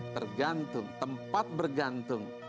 tergantung tempat bergantung